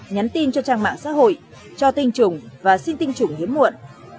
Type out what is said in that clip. nhắn tin cho trang mạng xã hội cho tinh trùng và xin tinh chủng hiếm muộn